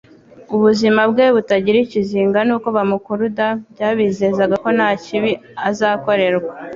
Ubuzima bwe butagira ikizinga n'uko bamukuruda byabizezaga ko nta kibi azakorerwa.